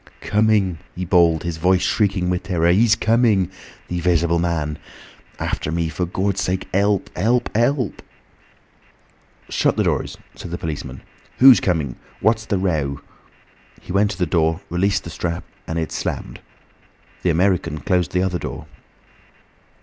"Coming!" he bawled, his voice shrieking with terror. "He's coming. The 'Visible Man! After me! For Gawd's sake! 'Elp! 'Elp! 'Elp!" "Shut the doors," said the policeman. "Who's coming? What's the row?" He went to the door, released the strap, and it slammed. The American closed the other door.